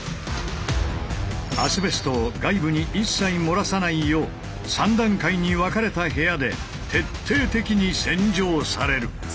アスベストを外部に一切漏らさないよう３段階に分かれた部屋で徹底的に洗浄される。